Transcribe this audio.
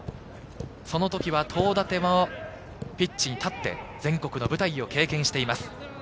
その時は東舘もピッチに立って全国の舞台を経験しています。